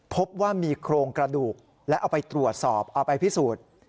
พบว่ามีโครงกระดูกและเอาไปตรวจสอบเอาไปพิสูจน์